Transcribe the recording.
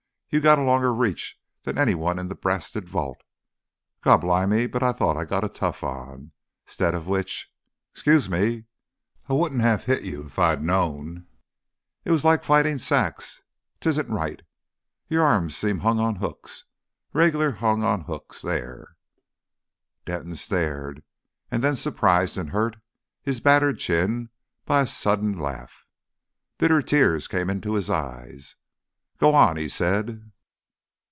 You get a longer reach than any one in the brasted vault. Gobblimey, but I thought I'd got a Tough on. 'Stead of which ... 'Scuse me. I wouldn't have 'it you if I'd known. It's like fighting sacks. 'Tisn' right. Y'r arms seemed 'ung on 'ooks. Reg'lar 'ung on 'ooks. There!" Denton stared, and then surprised and hurt his battered chin by a sudden laugh. Bitter tears came into his eyes. "Go on," he said.